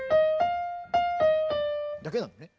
だけなのね。